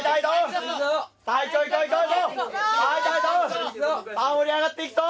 さあ盛り上がっていくぞ